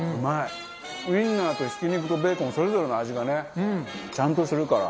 ウインナーとひき肉とベーコンそれぞれの味がねちゃんとするから。